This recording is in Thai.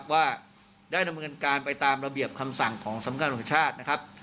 ว่าได้ดำเนินการไปตามระเบียบคำสั่งของสำกราชาธิ์